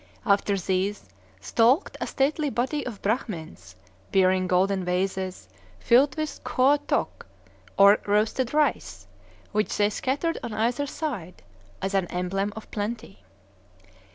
After these stalked a stately body of Brahmins, bearing golden vases filled with Khoa tôk, or roasted rice, which they scattered on either side, as an emblem of plenty.